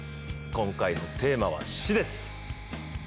今回のテーマは、死です。